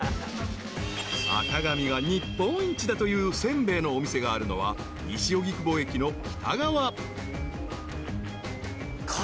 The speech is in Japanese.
［坂上が日本一だという煎餅のお店があるのは西荻窪駅の北側］